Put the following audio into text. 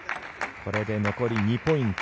これで残り２ポイント。